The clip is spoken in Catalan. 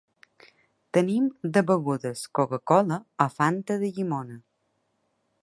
Tenim de begudes coca-cola o fanta de llimona.